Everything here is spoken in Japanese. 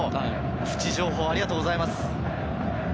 プチ情報、ありがとうございます。